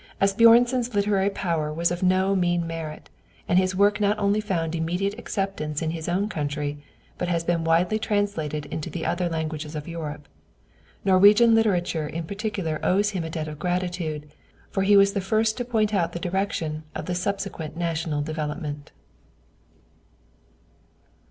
Asbjörnsen's literary power was of no mean merit, and his work not only found immediate acceptance in his own country, but has been widely translated into the other languages of Europe. Norwegian literature in particular owes him a debt of gratitude, for he was the first to point out the direction of the subsequent national development.